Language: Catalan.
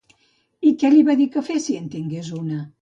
I què li va dir que fes si en tingués una?